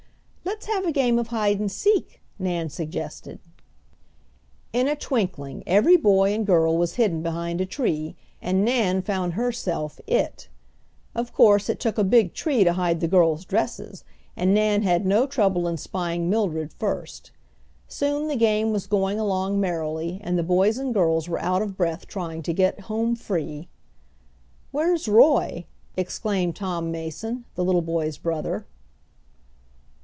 "Let's have a game of hide and seek," Nan suggested. In a twinkling every boy and girl was hidden behind a tree, and Nan found herself "It." Of course it took a big tree to hide the girls' dresses, and Nan had no trouble in spying Mildred first. Soon the game was going along merrily, and the boys and girls were out of breath trying to get "home free." "Where's Roy?" exclaimed Tom Mason, the little boy's brother.